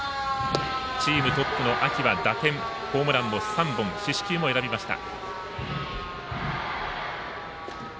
チームトップの秋は打点ホームランを３本四死球も選びました。